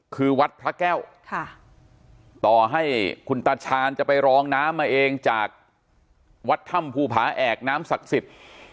คือวัดพระแก้วต่อให้คุณตาชาญจะไปรองน้ำมาเองจากวัดถ้ำภูผาแอกน้ำศักดิ์สิทธิ์